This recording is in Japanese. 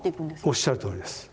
おっしゃるとおりです。